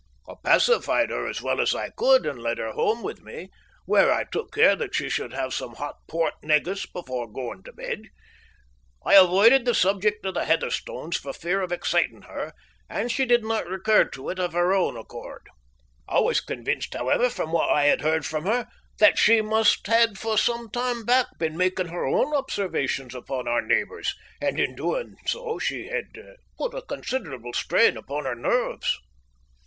I pacified her as well as I could, and led her home with me, where I took care that she should have some hot port negus before going to bed. I avoided the subject of the Heatherstones for fear of exciting her, and she did not recur to it of her own accord. I was convinced, however, from what I had heard from her, that she had for some time back been making her own observations upon our neighbours, and that in doing so she had put a considerable strain upon her nerves.